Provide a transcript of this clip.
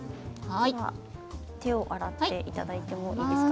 手を洗っていただいていいですか。